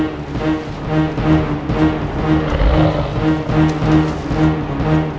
ntar kalau sembara pulang